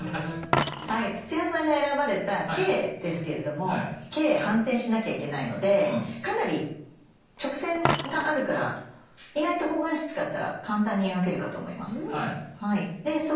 土屋さんが選ばれた「Ｋ」ですけれども「Ｋ」反転しなきゃいけないのでかなり直線があるから意外と方眼紙使ったら簡単に描けるかと思います。